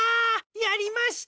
やりました！